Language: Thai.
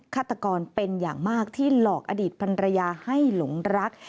ฆาตกรเป็นอย่างมากที่หลอกอดีตพันรยาให้หลงรัก